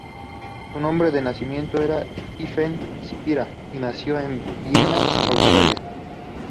Su nombre de nacimiento era Stephanie Spira, y nació en Viena, Austria.